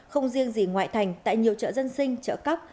không riêng gì ngoại thành tại nhiều chợ dân sinh chợ cóc